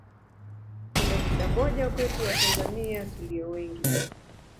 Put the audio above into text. kuna shida moja kwetu Watanzania tulio wengi